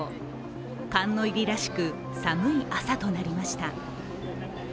寒の入りらしく寒い朝となりました。